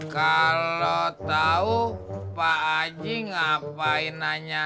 kalau tahu pak aji ngapain nanya